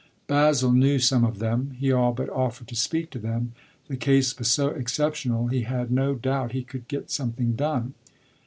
Basil knew some of them; he all but offered to speak to them the case was so exceptional; he had no doubt he could get something done.